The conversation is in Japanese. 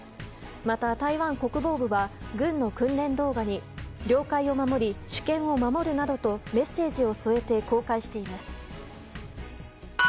また、台湾国防部は軍の訓練動画に領海を守り、主権を守るなどとメッセージを添えて公開しています。